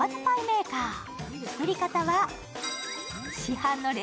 パイメーカー。